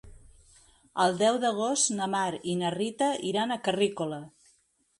El deu d'agost na Mar i na Rita iran a Carrícola.